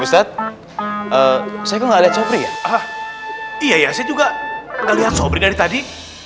ustadz saya kok gak liat sobri ya iya ya saya juga gak liat sobri dari tadi